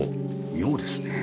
妙ですね。